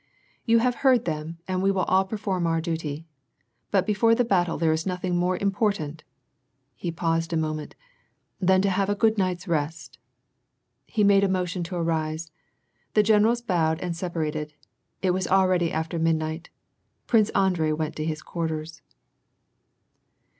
" You have heard them, and we will all perform our duty. But before a battle there is nothing more important "— he paused a moment — "than to have a good night's rest." He made a motion to arise. The generals bowed and sepa rated. It was already after midnight. Prince Andrei went to his quarters.